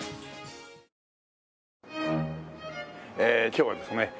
今日はですね